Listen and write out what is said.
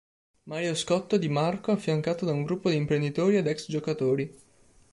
Mario Scotto di Marco affiancato da un gruppo di imprenditori ed ex-giocatori.